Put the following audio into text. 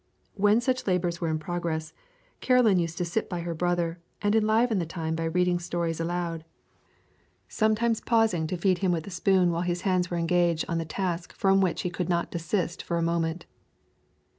When such labours were in progress, Caroline used to sit by her brother, and enliven the time by reading stories aloud, sometimes pausing to feed him with a spoon while his hands were engaged on the task from which he could not desist for a moment.